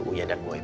uya dan gue